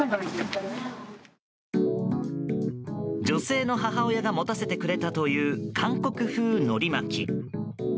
女性の母親が持たせてくれたという韓国風のり巻き。